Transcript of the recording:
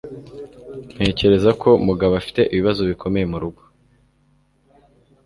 Ntekereza ko Mugabo afite ibibazo bikomeye murugo.